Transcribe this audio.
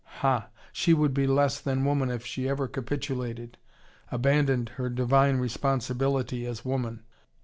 Ha, she would be less than woman if she ever capitulated, abandoned her divine responsibility as woman!